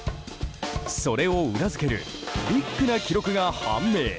それを裏付けるビッグな記録が判明。